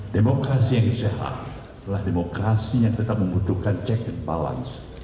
demokrasi yang sehat adalah demokrasi yang tetap membutuhkan check and balance